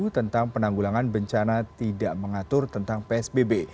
tentang penanggulangan bencana tidak mengatur tentang psbb